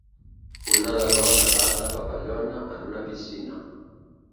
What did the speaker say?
Un nedador nedant de papallona en una piscina